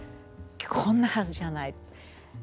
こんなはずじゃない。